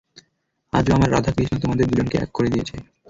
আজও আমার রাধা-কৃষ্ণ, তোমাদের দুজনকে এক করে দিয়েছে।